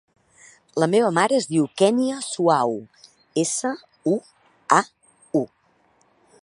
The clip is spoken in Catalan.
La meva mare es diu Kènia Suau: essa, u, a, u.